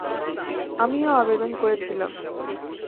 আমিও আবেদন করেছিলাম।